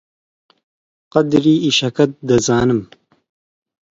قەدری ئیشەکەت دەزانم.